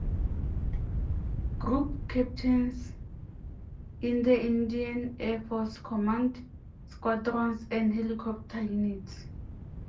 Group captains in the Indian Air Force command squadrons and helicopter units.